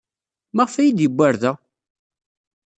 Maɣef ay iyi-d-yewwi ɣer da?